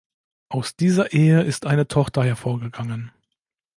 Aus dieser Ehe ist eine Tochter hervorgegangen.